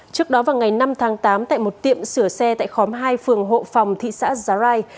trước đó vào ngày năm tháng tám tại một tiệm sửa xe tại khóm hai phường hộ phòng thị xã giá rai